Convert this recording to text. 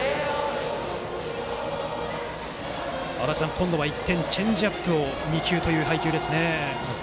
今度は一転、チェンジアップを２球という配球ですね。